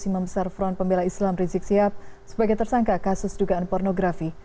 yang membesar front pembela islam rizik siap sebagai tersangka kasus dugaan pornografi